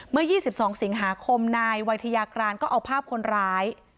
เมื่อ๒๒สิงหาคมนายวัยทยากรานก็เอาภาพคนร้าย